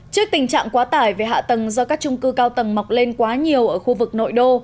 trước tình trạng quá tải về hạ tầng do các trung cư cao tầng mọc lên quá nhiều ở khu vực nội đô